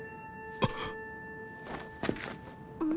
あっ！